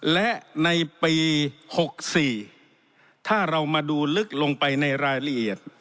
และในปี๖๔ถ้าเรามาดูลึกลงไปในรายละเอียด